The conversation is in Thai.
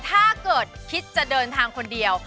ถ้าเกิดคิดจะเดินทางคนเดียว